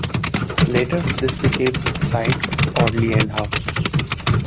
Later this became the site of Audley End House.